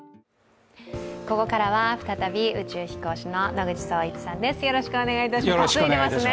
ここからは再び、宇宙飛行士の野口聡一さんです。